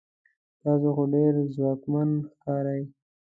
تاسو خو ډیر ځواکمن ښکارئ